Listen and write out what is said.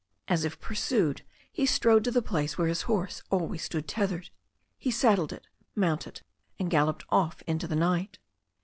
As if pursued, he strode to the place where his horse always stood tethered. He saddled it, mounted, and gal loped off into the night.